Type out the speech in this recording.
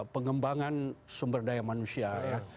pengembangan sumber daya manusia ya